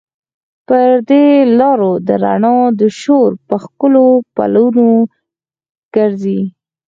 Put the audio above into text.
پر دې لارو د رڼا د شور، په ښکلو پلونو ګرزي